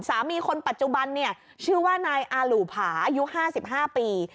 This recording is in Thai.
สามีคนปัจจุบันชื่อว่านายอาหลู่ผาอายุ๕๕ปี